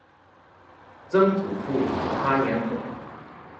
曾祖父潘彦可。